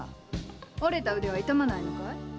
折れた腕は痛まないのかい？